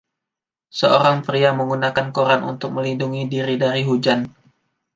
Seorang pria menggunakan koran untuk melindungi diri dari hujan.